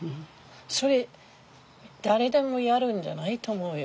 それ誰でもやるんじゃないと思うよ。